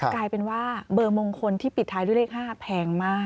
กลายเป็นว่าเบอร์มงคลที่ปิดท้ายด้วยเลข๕แพงมาก